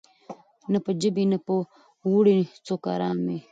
نه په ژمي نه په اوړي څوک آرام وو